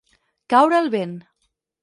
Caure el vent.